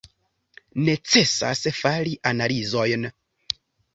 Necesas fari analizojn.